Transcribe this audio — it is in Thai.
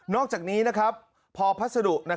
นอกจากนี้นะครับพอพัสดุ